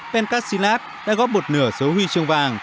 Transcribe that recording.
pencast silat đã góp một nửa số huy chương vàng